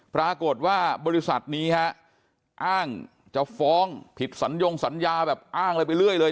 ปรากฏว่าบริษัทนี้ฮะอ้างจะฟ้องผิดสัญญงสัญญาแบบอ้างอะไรไปเรื่อยเลย